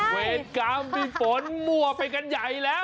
เวรกรรมพี่ฝนมั่วไปกันใหญ่แล้ว